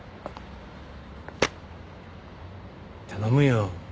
頼むよ。